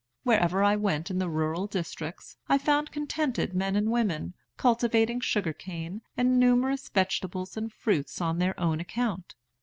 Wherever I went in the rural districts, I found contented men and women, cultivating sugar cane, and numerous vegetables and fruits, on their own account.